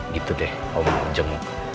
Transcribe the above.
gitu deh om jenguk